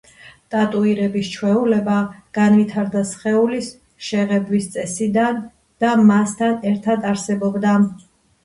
ტატუირების ჩვეულება განვითარდა სხეულის შეღებვის წესიდან და მასთან ერთად არსებობდა.